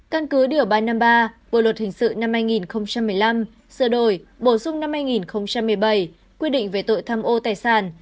căn cứ điều ba trăm năm mươi ba bộ luật hình sự năm hai nghìn một mươi năm sửa đổi bổ sung năm hai nghìn một mươi bảy quy định về tội tham ô tài sản